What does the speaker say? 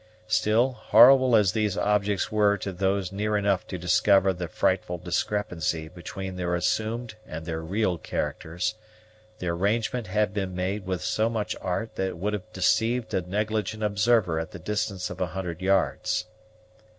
Still, horrible as these objects were to those near enough to discover the frightful discrepancy between their assumed and their real characters, the arrangement had been made with so much art that it would have deceived a negligent observer at the distance of a hundred yards.